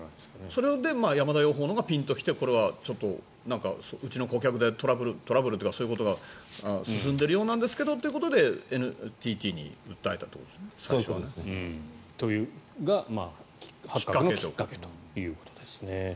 それで山田養蜂場のほうがピンときてうちの顧客でトラブルというかそういうことが進んでいるようなんですけどということでＮＴＴに訴えたということですかね。というのがきっかけということですね。